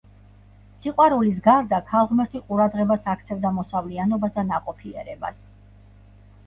სიყვარულის გარდა ქალღმერთი ყურადღებას აქცევდა მოსავლიანობას და ნაყოფიერებას.